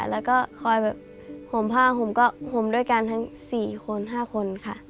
แล้วก็คอยแบบห่มผ้าห่มก็ห่มด้วยกันทั้งสี่คนห้าคนค่ะ